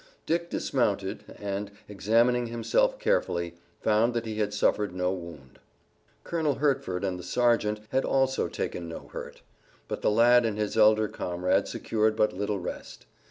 Dick dismounted and, examining himself carefully, found that he had suffered no wound. Colonel Hertford and the sergeant had also taken no hurt. But the lad and his elder comrade secured but little rest.